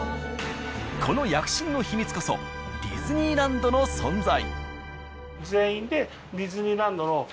この躍進の秘密こそディズニーランドの存在。